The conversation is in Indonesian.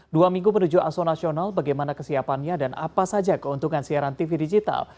dua minggu menuju aso nasional bagaimana kesiapannya dan apa saja keuntungan siaran tv digital